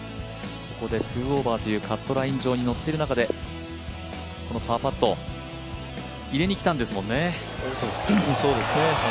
ここで２オーバーというカットライン上に乗っている中でこのパーパット、入れにきたんですもんね。